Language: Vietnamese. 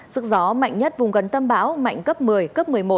sức gió mạnh nhất vùng gần tâm bão mạnh cấp một mươi cấp một mươi một